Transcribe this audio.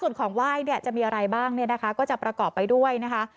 ส่วนของไหว้เนี่ยจะมีอะไรบ้างเนี่ยนะคะก็จะประกอบไปด้วยนะคะ